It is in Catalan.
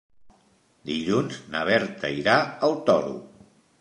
Dilluns na Berta irà al Toro.